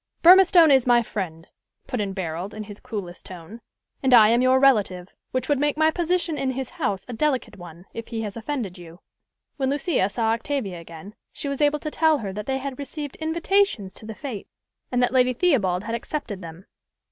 "Burmistone is my friend," put in Barold, in his coolest tone; "and I am your relative, which would make my position in his house a delicate one, if he has offended you." When Lucia saw Octavia again, she was able to tell her that they had received invitations to the fête, and that Lady Theobald had accepted them.